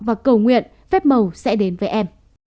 và cầu nguyện phép màu sẽ đến với em